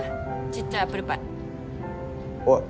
ちっちゃいアップルパイおい！